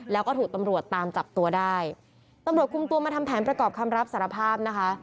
แล้วก็ถูกตำรวจตามจับตัวได้ตำรวจคุมตัวมาทำแผนประกอบคำรับสารภาพนะคะ